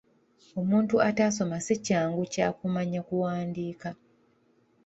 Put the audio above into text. Omuntu ataasoma si kyangu kya kumanya kuwandiika.